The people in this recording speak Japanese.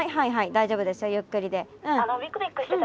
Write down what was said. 大丈夫ですよゆっくりでうん。